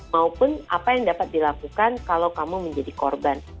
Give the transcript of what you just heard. maupun apa yang dapat dilakukan kalau kamu menjadi korban